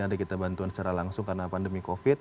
ada kita bantuan secara langsung karena pandemi covid